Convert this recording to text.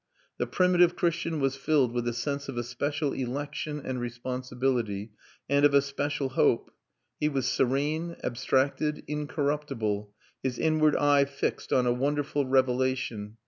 The primitive Christian was filled with the sense of a special election and responsibility, and of a special hope. He was serene, abstracted, incorruptible, his inward eye fixed on a wonderful revelation.